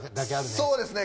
そうですね。